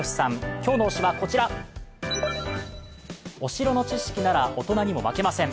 今日の推しは、こちら、お城の知識なら大人にも負けません。